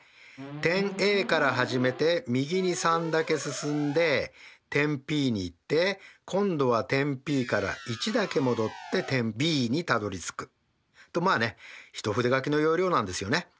点Ａから始めて右に３だけ進んで点Ｐに行って今度は点Ｐから１だけ戻って点Ｂにたどりつくとまあね一筆書きの要領なんですよね。